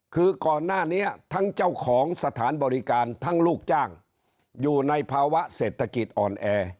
คือก่อนหน้านี้ทั้งเจ้าของสถานบริการทั้งลูกจ้างอยู่ในภาวะเศรษฐกิจอ่อนแอ